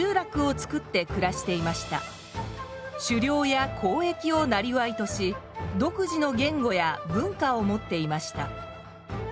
狩猟や交易をなりわいとし独自の言語や文化を持っていました。